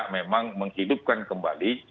memang menghidupkan kembali